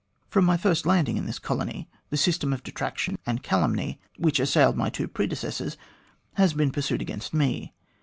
" From my first landing in this colony, the system of detraction and calumny which assailed my two predecessors has been pursued against me.